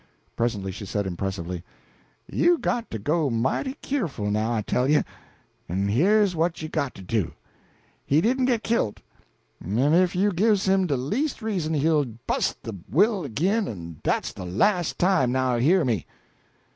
Presently she said impressively: "You got to go mighty keerful now, I tell you! En here's what you got to do. He didn't git killed, en if you gives him de least reason, he'll bust de will ag'in, en dat's de las' time, now you hear me!